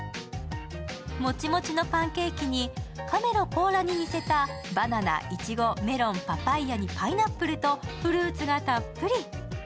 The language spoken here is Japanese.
モチモチのパンケーキに亀の甲羅に似せたバナナ、いちご、メロン、パパイヤにパイナップルとフルーツがたっぷり。